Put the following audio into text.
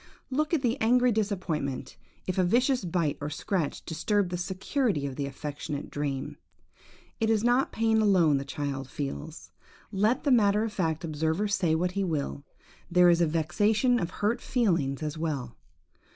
Look at the angry disappointment, if a vicious bite or scratch disturb the security of the affectionate dream. It is not pain alone the child feels, let the matter of fact observer say what he will; there is the vexation of hurt feelings as well.